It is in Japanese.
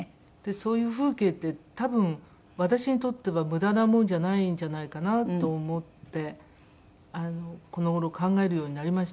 そういう風景って多分私にとっては無駄なものじゃないんじゃないかなと思ってこの頃考えるようになりました。